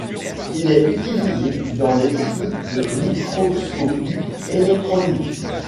Il est utilisé dans les techniques de microscopie électronique.